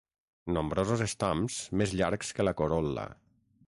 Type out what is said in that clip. Nombrosos estams més llargs que la corol·la.